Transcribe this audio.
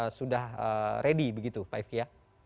jadi itu sudah ready begitu pak fk ya